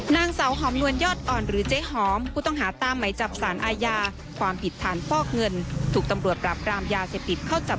นางเสาหอมนวลยอดอ่อนหรือเจ๊หอม